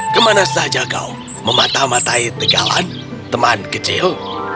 kemana saja kau memata matai tegalan teman kecil